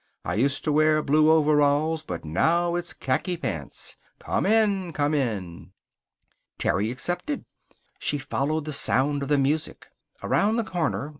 I USED TO WEAR BLUE OVERALLS BUT NOW IT'S KHAKI PANTS." COME IN! COME IN! Terry accepted. She followed the sound of the music. Around the corner.